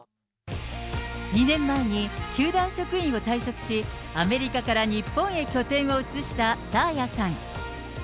２年前に球団職員を退職し、アメリカから日本へ拠点を移した沙亜也さん。